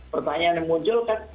pertanyaan yang muncul kan